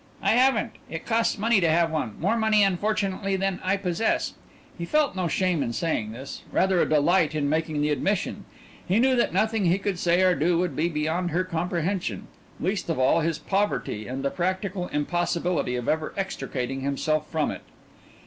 "I haven't. It costs money to have one more money unfortunately than I possess." He felt no shame in saying this rather a delight in making the admission he knew that nothing he could say or do would be beyond her comprehension; least of all his poverty, and the practical impossibility of ever extricating himself from it.